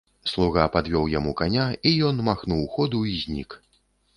Слуга падвёў яму каня, і ён махнуў ходу і знік.